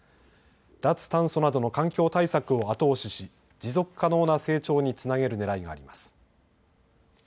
脱炭素などの環境対策を後押しし持続可能な成長につなげるねらいがあります。